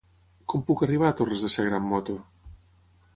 Com puc arribar a Torres de Segre amb moto?